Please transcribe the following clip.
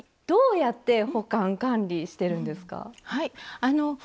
どうやって保管管理してるんですか？